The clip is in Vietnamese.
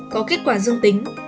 có kết quả dương tính